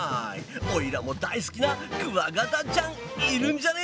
オイラも大好きなクワガタちゃんいるんじゃね？